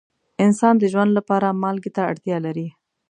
انسان د ژوند لپاره مالګې ته اړتیا لري.